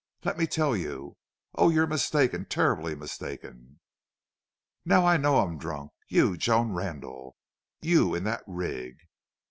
Let me tell you.... Oh, you're mistaken terribly mistaken." "Now, I know I'm drunk.... You, Joan Randle! You in that rig!